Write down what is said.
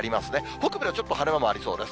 北部ではちょっと晴れ間もありそうです。